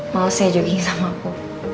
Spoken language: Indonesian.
males ya jogging sama aku